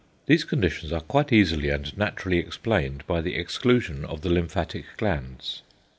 These conditions are quite easily and naturally explained by the exclusion of the lymphatic glands.